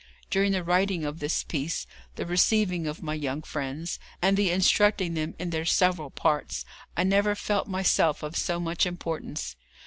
During the writing of this piece, the receiving of my young friends, and the instructing them in their several parts, I never felt myself of so much importance.